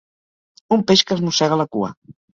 Un peix que es mossega la cua.